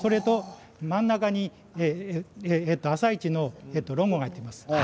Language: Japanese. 真ん中に「あさイチ」のロゴが入っています。